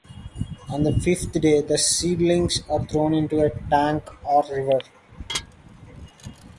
On the fifth day, the seedlings are thrown into a tank or river.